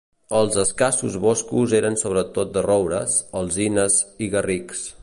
Els escassos boscos eren sobretot de roures, alzines i garrics.